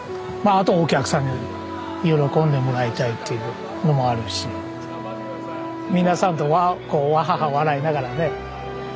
あとお客さんに喜んでもらいたいっていうのもあるし皆さんとワハハ笑いながらね。